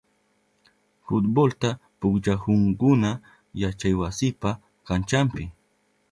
Futbolta pukllahunkuna yachaywasipa kanchanpi.